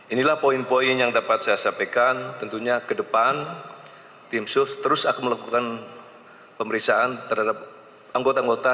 inilah poin poin yang dapat saya sampaikan tentunya ke depan tim sus terus akan melakukan pemeriksaan terhadap anggota anggota